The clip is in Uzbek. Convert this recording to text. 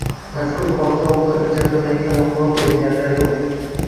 Mazkur hodisa oqibatida jabrlangan va halok bo‘lganlar yo‘q